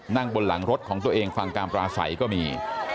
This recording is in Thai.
นั่งบนหลังรถของตัวเองฟังการปราศัยก็มี